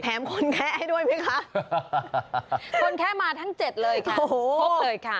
แถมคนแคะให้ด้วยไหมคะคนแคะมาทั้ง๗เลยค่ะพวกเลยค่ะ